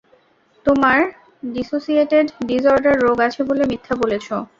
তোমার dissociated disorder রোগ আছে বলে মিথ্যে বলেছো।